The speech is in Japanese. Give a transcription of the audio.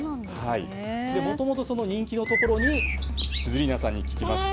もともと、その人気のところにシズリーナさんに聞きました